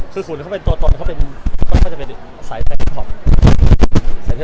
นี่คุณตัวตนเธอจะเป็นสายแซมพร็อป